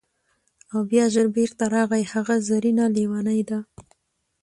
او بیا ژر بیرته راغی: هغه زرینه لیونۍ ده!